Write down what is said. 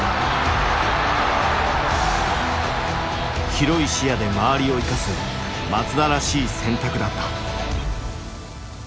広い視野で周りを生かす松田らしい選択だった。